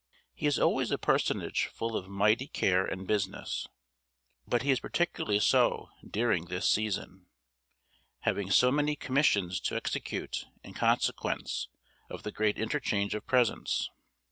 He is always a personage full of mighty care and business, but he is particularly so during this season, having so many commissions to execute in consequence of the great interchange of presents.